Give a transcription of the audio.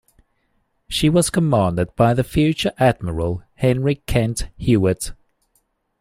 She was commanded by the future admiral, Henry Kent Hewitt.